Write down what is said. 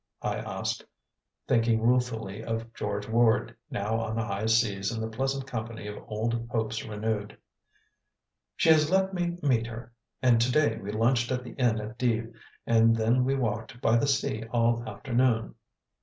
I asked, thinking ruefully of George Ward, now on the high seas in the pleasant company of old hopes renewed. "She has let me meet her. And to day we lunched at the inn at Dives and then walked by the sea all afternoon.